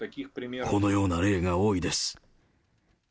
このような例が多いです。